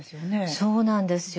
そうなんですよ。